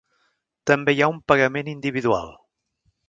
També hi ha un pagament individual.